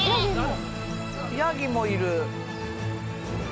ヤギもいる。